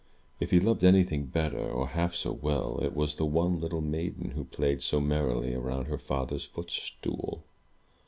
If he loved anything better, or half so well, it was the one little maiden who played so merrily around her father's footstool.